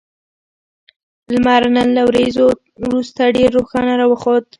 لمر نن له وريځو وروسته ډېر روښانه راوخوت